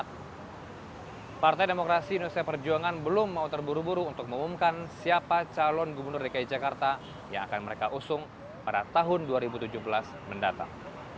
partai demokrasi indonesia perjuangan belum mau terburu buru untuk mengumumkan siapa calon gubernur dki jakarta yang akan mereka usung pada tahun dua ribu tujuh belas mendatang